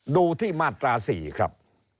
ดูที่มาตรา๔ครับ